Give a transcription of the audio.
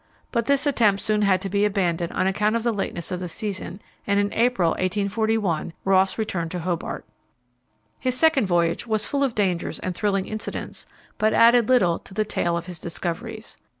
But this attempt soon had to be abandoned on account of the lateness of the season, and in April, 1841, Ross returned to Hobart. His second voyage was full of dangers and thrilling incidents, but added little to the tale of his discoveries.